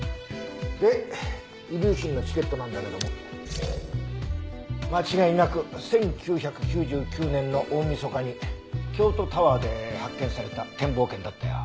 で遺留品のチケットなんだけども間違いなく１９９９年の大みそかに京都タワーで発券された展望券だったよ。